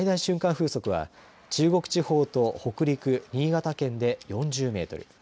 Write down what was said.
風速は中国地方と北陸新潟県で４０メートル